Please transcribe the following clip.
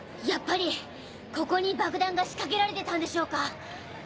やっぱりここに爆弾が仕掛けられてたんでしょうか？